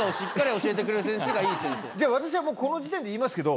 じゃあ私はもうこの時点で言いますけど。